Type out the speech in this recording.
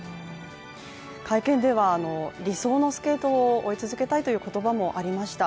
会見では理想のスケートを追い続けたいという言葉もありました。